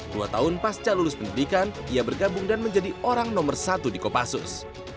dua tahun pasca lulus pendidikan ia bergabung dan menjadi orang nomor satu di kopassus